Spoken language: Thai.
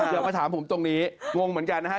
เดี๋ยวมาถามผมตรงนี้งงเหมือนกันนะฮะ